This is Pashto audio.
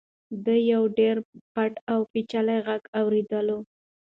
ده یو ډېر پټ او پېچلی غږ اورېدلی و.